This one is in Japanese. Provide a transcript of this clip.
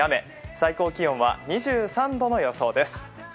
最高気温は２３度の予想です。